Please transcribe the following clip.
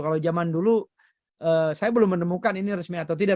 kalau zaman dulu saya belum menemukan ini resmi atau tidak